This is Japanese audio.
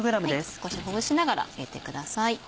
少しほぐしながら入れてください。